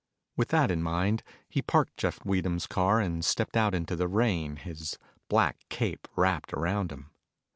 With that in mind, he parked Jeff Weedham's car and stepped out into the rain, his black cape wrapped around him.